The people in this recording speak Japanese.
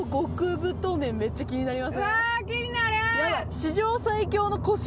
うわ気になる！